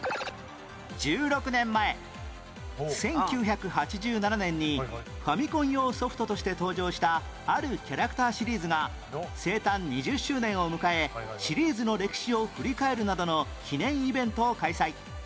１６年前１９８７年にファミコン用ソフトとして登場したあるキャラクターシリーズが生誕２０周年を迎えシリーズの歴史を振り返るなどの記念イベントを開催